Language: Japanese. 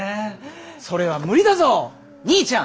それは無理だぞにいちゃん！